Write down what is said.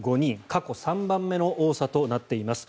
過去３番目の多さとなっています。